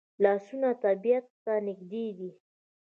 لاسونه طبیعت ته نږدې دي